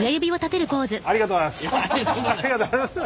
ありがとうございます！